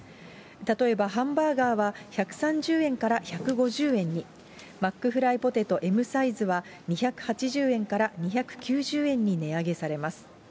例えば、ハンバーガーは１３０円から１５０円に、マックフライポテトＭサイズは２８０円から２９０円に値上げされます。